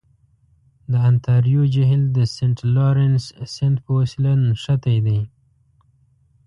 د انتاریو جهیل د سنت لورنس سیند په وسیله نښتی دی.